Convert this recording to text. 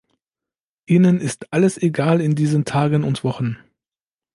Ihnen ist alles egal in diesen Tagen und Wochen.